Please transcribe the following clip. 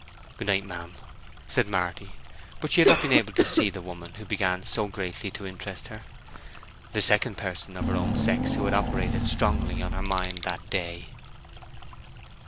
"Good night, ma'am," said Marty. But she had not been able to see the woman who began so greatly to interest her—the second person of her own sex who had operated strongly on her mind that day.